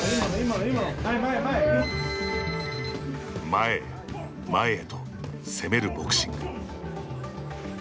前へ、前へと攻めるボクシング。